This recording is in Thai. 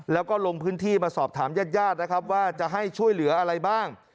แล้วก็ลงพื้นที่มาสอบถามญาติญาตินะครับว่าจะให้ช่วยเหลืออะไรบ้าง